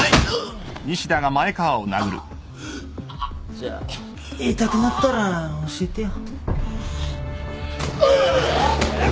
じゃあ言いたくなったら教えてよ。